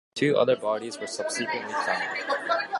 Two other bodies were subsequently found.